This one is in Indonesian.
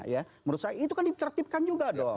menurut saya itu kan ditertipkan juga dong